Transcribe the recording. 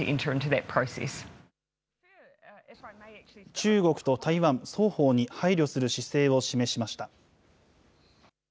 中国と台湾双方に配慮する姿勢を示しました。